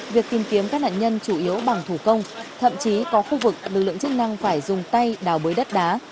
việc tìm kiếm các nạn nhân chủ yếu bằng thủ công thậm chí có khu vực lực lượng chức năng phải dùng tay đào bới đất đá